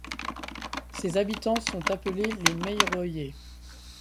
Ses habitants sont appelés les Meyreuillais.